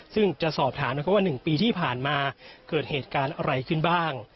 ซึ่งจะสอบถามนะครับว่า๑ปีที่ผ่านมาเกิดเหตุการณ์อะไรขึ้นบ้าง